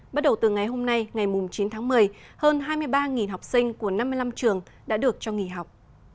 bắt đầu từ ngày hôm nay ngày chín tháng một mươi hơn hai mươi ba học sinh của năm mươi năm trường đã được cho nghỉ học